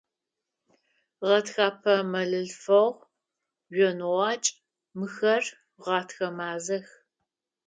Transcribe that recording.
Гъэтхапэ, мэлылъфэгъу, жъоныгъуакӀ – мыхэр гъэтхэ мазэх.